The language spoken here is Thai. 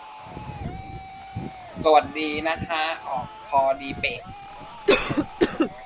จังหวะดีนะฮะ ออกพอดีเป๊ะ